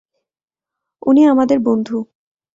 উনি আমাদের বন্ধু।